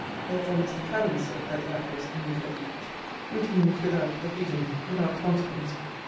Therefore, Mr. Canning said that the act was incohete, which means, without cohesion, without consequence.